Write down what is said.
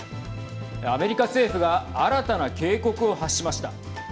アメリカ政府が新たな警告を発しました。